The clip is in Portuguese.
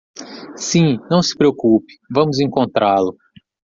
Sim, não se preocupe, vamos encontrá-lo.